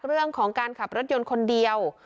เรื่องของการขับรถยนต์คนเดียว